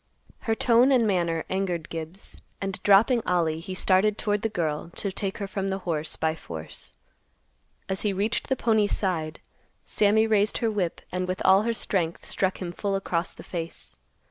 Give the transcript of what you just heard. Her tone and manner angered Gibbs, and dropping Ollie he started toward the girl to take her from the horse by force. As he reached the pony's side, Sammy raised her whip and with all her strength struck him full across the face.